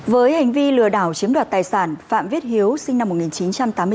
với hành vi lừa đảo chiếm đoạt tài sản phạm viết hiếu sinh năm một nghìn chín trăm tám mươi chín